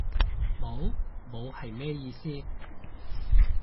冇？冇係咩意思？